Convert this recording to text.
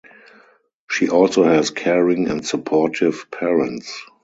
She also has caring and supportive parents.